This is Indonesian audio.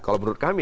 kalau menurut kami